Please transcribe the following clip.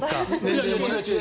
違う、違う。